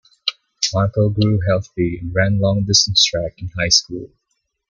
Marco grew healthy and ran long-distance track in high school.